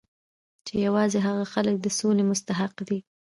چې یوازې هغه خلک د سولې مستحق دي